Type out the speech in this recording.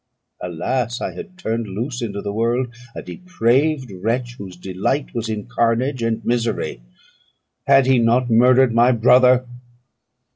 Alas! I had turned loose into the world a depraved wretch, whose delight was in carnage and misery; had he not murdered my brother?